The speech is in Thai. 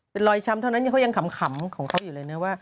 เป็นรอยช้ำเท่านั้นเขายังขำของเขาอยู่เลยนะว่า